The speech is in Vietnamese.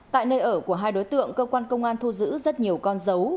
tại nơi ở của hai đối tượng cơ quan công an thu giữ rất nhiều con dấu